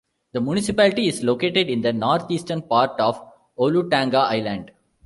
The municipality is located in the northeastern part of Olutanga Island.